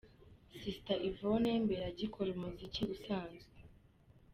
Sister Yvonne mbere agikora umuziki usanzwe.